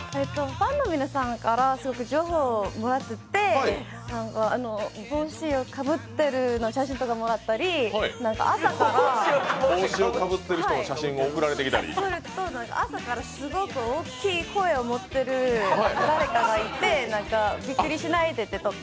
ファンの皆さんからすごく情報をもらってて、帽子をかぶってる写真とかもらったり、朝からすごく大きい声を持ってる誰かがいてびっくりしないでとか。